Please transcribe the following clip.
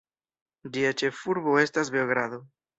Ĝia ĉefurbo estas Beogrado.